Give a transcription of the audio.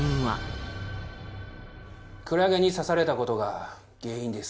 クラゲに刺された事が原因です。